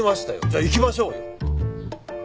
じゃあ行きましょうよ。